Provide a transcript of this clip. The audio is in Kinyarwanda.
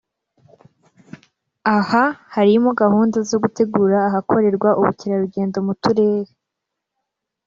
Aha harimo gahunda zo gutegura ahakorerwa ubukerarugendo mu turere